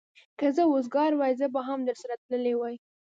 که زه وزګار وای، زه به هم درسره تللی وای.